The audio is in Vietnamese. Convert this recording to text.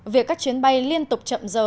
việc các chuyến bay liên tục chậm giờ